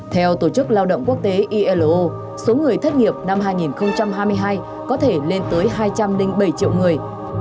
theo tổ chức lao động quốc tế ilo số người thất nghiệp năm hai nghìn hai mươi hai có thể lên tới hai trăm linh bảy triệu người